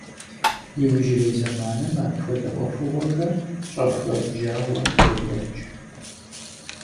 Иужьрей зэманым апхуэдэ ӏуэхугъуэхэр щӏэхуэбжьауэ йокӏуэкӏ.